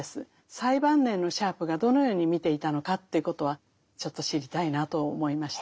最晩年のシャープがどのように見ていたのかということはちょっと知りたいなと思いました。